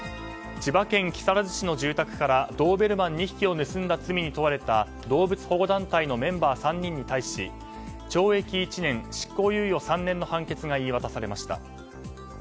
千葉県木更津市の住宅からドーベルマン２匹を連れ出した動物保護団体メンバー３人に対し懲役１年、執行猶予３年の判決が言い渡されました。